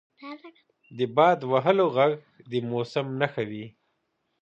• د باد وهلو ږغ د موسم نښه وي.